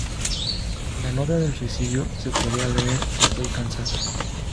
En la nota del suicidio se podía leer: "Estoy cansada.